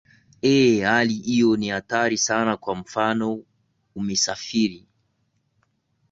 ee hali hiyo ni hatari sana kwa mfano umesafiri